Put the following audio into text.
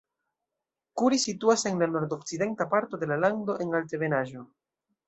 Kuri situas en la nordokcidenta parto de la lando en altebenaĵo.